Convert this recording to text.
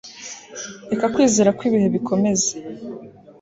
Reka kwizera kwibihe bikomeze